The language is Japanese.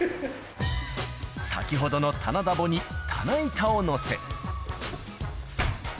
先ほどの棚ダボに棚板を載せ。